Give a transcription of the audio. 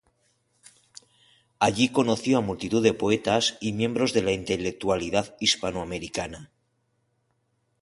Allí conoció a multitud de poetas y miembros de la intelectualidad hispanoamericana.